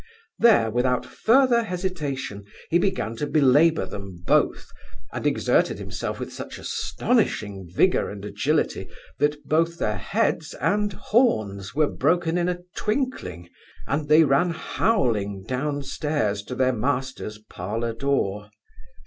There, without further hesitation, he began to belabour them both; and exerted himself with such astonishing vigour and agility, that both their heads and horns were broken in a twinkling, and they ran howling down stairs to their master's parlour door.